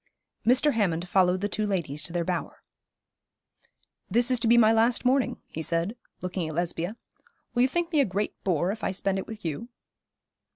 Mr. Hammond followed the two ladies to their bower. 'This is to be my last morning,' he said, looking at Lesbia. 'Will you think me a great bore if I spend it with you?'